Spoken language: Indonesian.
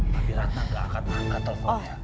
tapi ratna gak akan angkat teleponnya